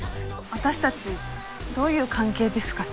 私たちどういう関係ですかね？